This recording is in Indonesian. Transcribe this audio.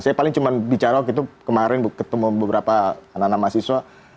saya paling cuma bicara waktu itu kemarin ketemu beberapa anak anak mahasiswa